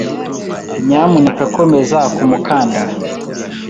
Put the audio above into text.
Nyamuneka komeza ku mukandara.